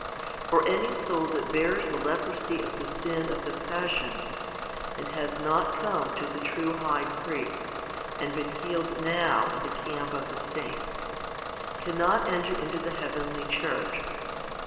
For any soul that bears the leprosy of the sin of the passions, and has not come to the true high priest, and been healed now in the camp of the saints, cannot enter into the heavenly church.